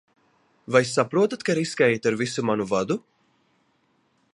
Vai saprotat, ka riskējāt ar visu manu vadu?